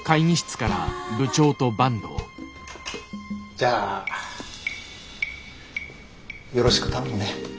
じゃあよろしく頼むね。